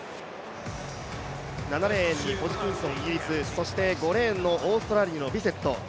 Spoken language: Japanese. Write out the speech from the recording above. ７レーンにホジキンソン、イギリス、そして５レーンのオーストラリアのビセット。